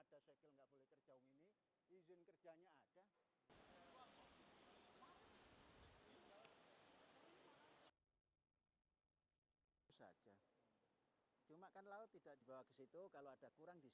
karena nama itu adalah mengatakan kita bukan indonesia